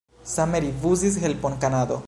Same rifuzis helpon Kanado.